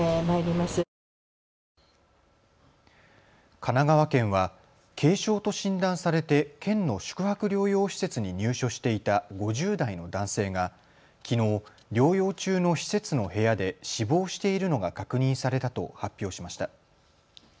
神奈川県は軽症と診断されて県の宿泊療養施設に入所していた５０代の男性がきのう療養中の施設の部屋で死亡しているのが確認されたと発表しました。